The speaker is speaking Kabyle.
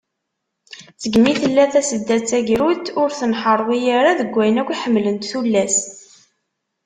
Segmi tella Tasedda d tagrudt, ur tenḥarwi ara deg wayen akk i ḥemmlent tullas.